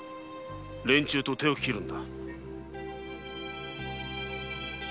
連中と手を切るのだ。